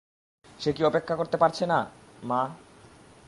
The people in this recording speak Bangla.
সে কি অপেক্ষা করতে পারছে না, মা?